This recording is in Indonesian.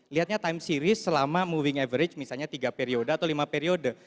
lihatnya time series selama moving average misalnya tiga periode atau lima periode